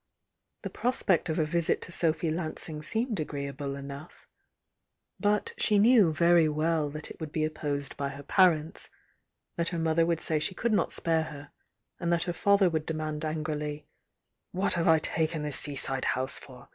The prospect of a visit to Sophy Lansing seemed agreeable enough, — but she very well knew that it would be opposed by her parents, — that her mother would say she could not spare her, — and that her father would demand angrily: "What have I taken this seaside house for?